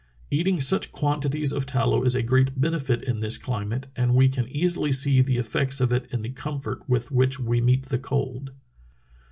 Eating such quantities of tallow is a great benefit in this climate, and we can easily see the effects of it in the comfort with which we meet the cold."